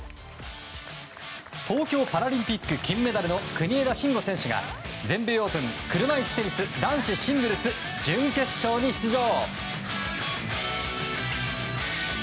東京パラリンピック金メダルの国枝慎吾選手が全米オープン車いすテニス男子シングルス準決勝に出場。